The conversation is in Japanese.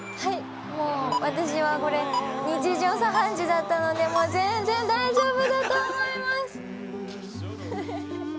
もう、私はこれ、日常茶飯事だったのでもう全然大丈夫だと思います！